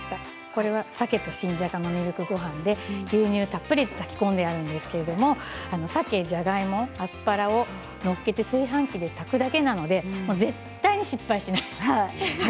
これは、さけと新じゃがのミルクゴハンで牛乳をたっぷり炊き込んであるんですけれどもさけと新じゃがアスパラを載っけて炊飯器で炊くだけなので絶対に失敗しない。